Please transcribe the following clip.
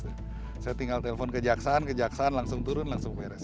saya tinggal telepon ke jaksaan ke jaksaan langsung turun langsung beres